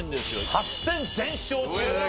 ８戦全勝中です。